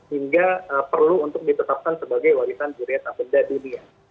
hingga perlu untuk ditetapkan sebagai warisan budaya tabenda dunia